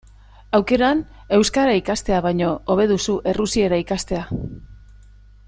Aukeran, euskara ikastea baino, hobe duzu errusiera ikastea.